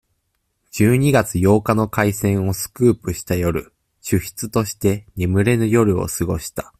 十二月八日の開戦をスクープした夜、主筆として、眠れぬ夜を過ごした。